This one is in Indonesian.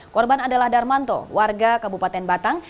korban adalah darmanto warga kabupaten batang